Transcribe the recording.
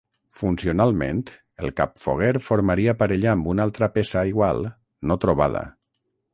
Funcionalment el capfoguer formaria parella amb una altra peça igual no trobada.